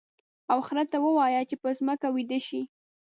او خر ته ووایه چې په ځمکه ویده شي.